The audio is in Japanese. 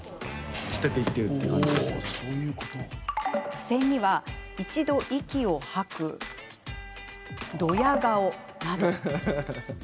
付箋には、一度息を吐くドヤ顔など。